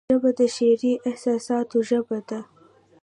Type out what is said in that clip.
ژبه د شعري احساساتو ژبه ده